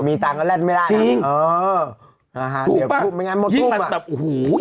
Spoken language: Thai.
มีตังค์ก็และไม่ได้นะเออถูกป่ะยิ่งมันแบบโอ้โฮ